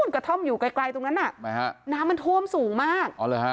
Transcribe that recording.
กระท่อมอยู่ไกลตรงนั้นน่ะน้ำมันท่วมสูงมาก